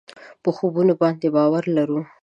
په خوبونو باندې باور لرو.